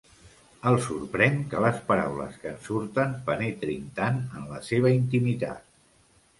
El sorprèn que les paraules que en surten penetrin tant en la seva intimitat.